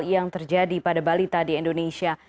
yang terjadi pada balita di indonesia